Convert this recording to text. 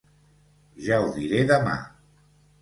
Ja ho diré demà.